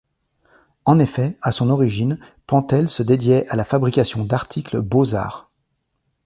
En effet, à son origine, Pentel se dédiait à la fabrication d'articles beaux-arts.